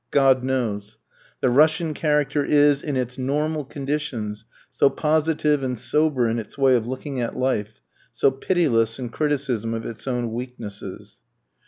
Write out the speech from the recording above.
God knows. The Russian character is, in its normal conditions, so positive and sober in its way of looking at life, so pitiless in criticism of its own weaknesses.